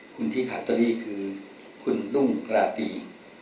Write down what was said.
คุณที่ขาดตรดีคือคุณหนุ่มหน้าปี